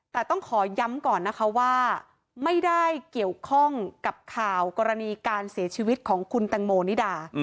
แต่ต้องขอย้ำก่อนนะคะว่าไม่ได้เกี่ยวข้องกับข่าวกรณีการเสียชีวิตของคุณแตงโมนิดา